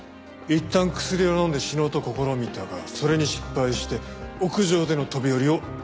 いったん薬を飲んで死のうと試みたがそれに失敗して屋上での飛び降りを選んだ。